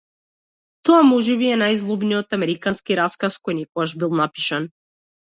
Тоа можеби е најзлобниот американски расказ кој некогаш бил напишан.